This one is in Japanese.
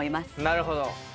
なるほど。